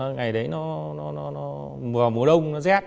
ngày đấy nó mùa đông nó rét